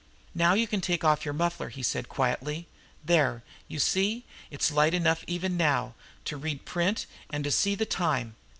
"Now you can take off your muffler," he said quietly. "There, you see it's light enough even now, to read print and to see the time.